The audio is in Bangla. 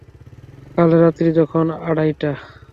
কাল রাত্রি তখন আড়াইটা।